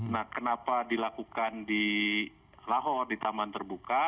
nah kenapa dilakukan di lahore di taman terbuka